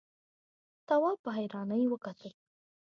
تواب په حيرانۍ وکتل.